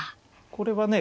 これはね